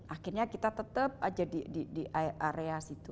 akhirnya kita tetap aja di area situ